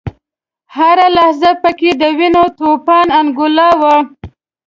هره لحظه په کې د وینو د توپان انګولا وه.